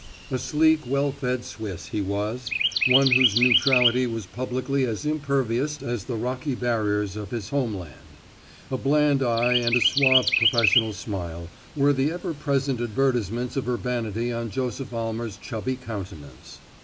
A sleek well fed Swiss he was; one whose neutrality was publicly as impervious as the rocky barriers of his home land. A bland eye and a suave professional smile were the ever present advertisements of urbanity on Joseph Almer's chubby countenance.